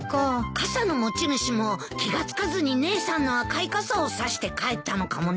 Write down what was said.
傘の持ち主も気が付かずに姉さんの赤い傘を差して帰ったのかもね。